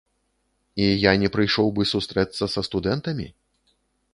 І я не прыйшоў бы сустрэцца са студэнтамі?